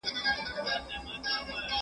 هغه د قانون تطبیق تل خوندي کړ.